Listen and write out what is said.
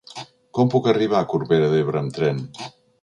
Com puc arribar a Corbera d'Ebre amb tren?